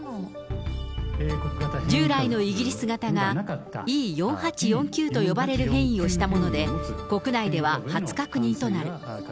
従来のイギリス型がＥ４８４Ｑと呼ばれる変異をしたもので、国内では初確認となる。